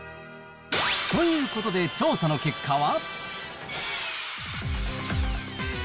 ということで調査の結果は。